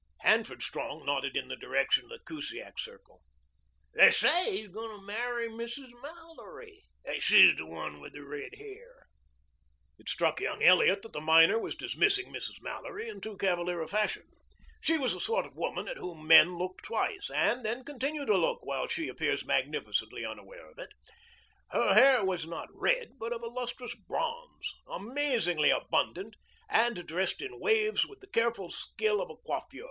Hanford Strong nodded in the direction of the Kusiak circle. "They say he's going to marry Mrs. Mallory. She's the one with the red hair." It struck young Elliot that the miner was dismissing Mrs. Mallory in too cavalier a fashion. She was the sort of woman at whom men look twice, and then continue to look while she appears magnificently unaware of it. Her hair was not red, but of a lustrous bronze, amazingly abundant, and dressed in waves with the careful skill of a coiffeur.